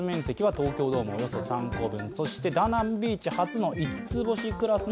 東京ドームおよそ３個分。